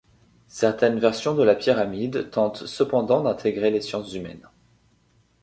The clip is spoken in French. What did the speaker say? Certaines versions de la pyramide tentent cependant d'intégrer les sciences humaines.